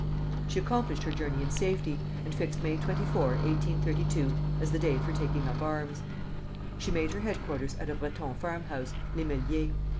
She accomplished her journey in safety, and fixed May 24, 1832, as the day for taking up arms. She made her headquarters at a Breton farm house, Les Meliers.